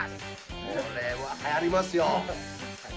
これは流行りますよ。